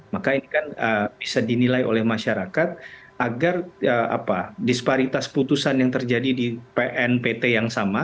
maka ini kan bisa dinilai oleh masyarakat agar disparitas putusan yang terjadi di pnpt yang sama